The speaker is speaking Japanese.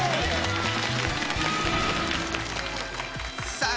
さあ